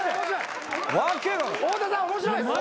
太田さん面白いっす！